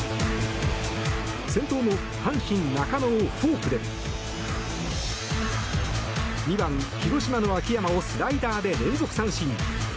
先頭の阪神、中野をフォークで２番、広島の秋山をスライダーで連続三振。